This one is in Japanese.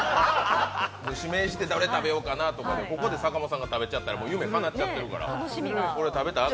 指名してどれ食べようかなでここで坂本さんが食べちゃったら夢かなっちゃうから。